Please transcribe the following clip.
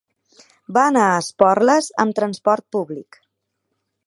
Va anar a Esporles amb transport públic.